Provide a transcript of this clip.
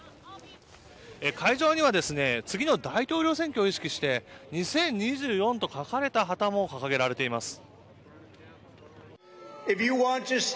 会場には次の大統領選挙を意識して２０２４と書かれた旗も掲げられています。